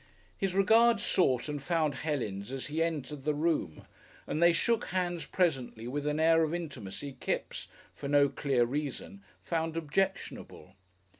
His regard sought and found Helen's as he entered the room and they shook hands presently with an air of intimacy Kipps, for no clear reason, found objectionable.